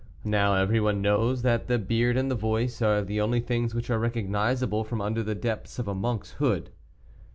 Now, everyone knows that the beard and the voice are the only things which are recognizable from under the depths of a monk's hood.